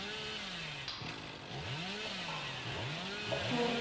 先手